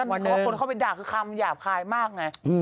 เพราะว่าคนเข้าไปด่าคือคำหยาบคายมากไง